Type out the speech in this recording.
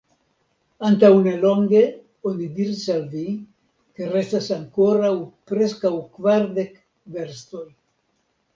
Antaŭnelonge oni diris al vi, ke restas ankoraŭ preskaŭ kvardek verstoj.